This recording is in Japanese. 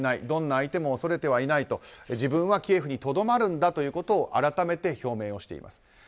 どんな相手も恐れてはいない自分はキエフにとどまるんだと改めて表明しています。